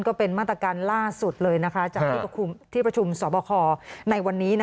เข้าใจไหมจ๊ะ